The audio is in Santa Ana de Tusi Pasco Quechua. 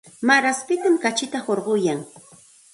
Maaraspitam kachita hurquyan.